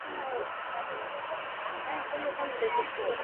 Wawekezaji wazawa wataweza kukata Leseni kuanzia miezi mitatu na kuendelea